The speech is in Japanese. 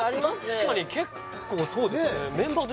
確かに結構そうですね